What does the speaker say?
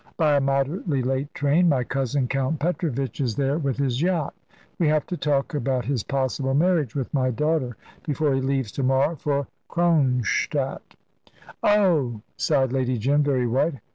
"By a moderately late train. My cousin, Count Petrovitch, is there with his yacht. We have to talk about his possible marriage with my daughter, before he leaves to morrow for Kronstadt." "Oh!" sighed Lady Jim, very white.